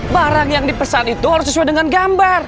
barang yang dipesan itu harus sesuai dengan gambar